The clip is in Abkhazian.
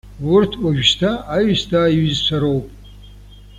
Урҭ уажәшьҭа аҩсҭаа иҩызцәа роуп.